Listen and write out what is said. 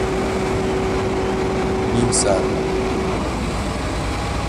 نیم سر